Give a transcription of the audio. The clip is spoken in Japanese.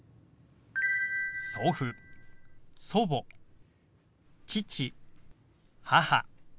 「祖父」「祖母」「父」「母」。